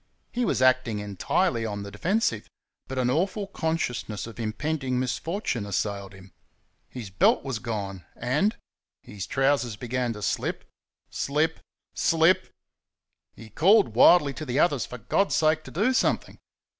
He was acting entirely on the defensive, but an awful consciousness of impending misfortune assailed him. His belt was gone, and his trousers began to slip slip slip! He called wildly to the others for God's sake to do something.